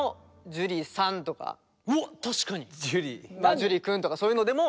樹君とかそういうのでも。